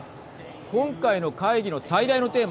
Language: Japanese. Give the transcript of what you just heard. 今回の会議の最大のテーマ